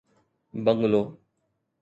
bungalow